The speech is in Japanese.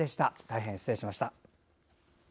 大変失礼しました。